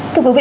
thưa quý vị